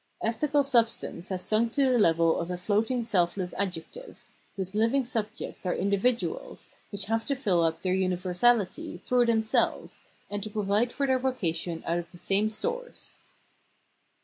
Ethical substance has sunk to the level of a floating selfless adjective, whose hving subjects are individuals, which have to fill up their universality through themselves, and to provide for their vocation out of the same source.